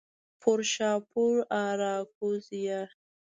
پورشاپور، آراکوزیا